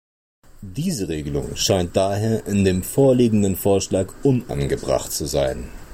Diese Regelung scheint daher in dem vorliegenden Vorschlag unangebracht zu sein.